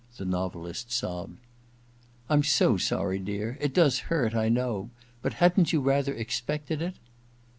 ' the novelist sdbbedl ;* Tm so sorry, dear ; it does hurt, I know — but hadn't you rather expected it